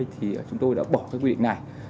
thì chúng tôi đã bỏ quy định này